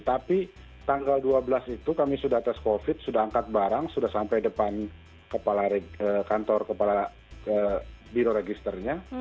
tapi tanggal dua belas itu kami sudah tes covid sudah angkat barang sudah sampai depan kantor kepala biro registernya